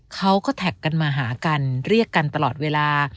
เขาก็แท็กกันมาหากันเรียกกันตลอดเวลา